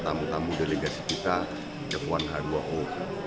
tamu tamu delegasi kita exhibgger h dua o developing brand